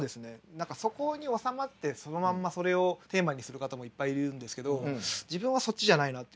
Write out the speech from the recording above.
何かそこに収まってそのまんまそれをテーマにする方もいっぱいいるんですけど自分はそっちじゃないなっていうのは思いました。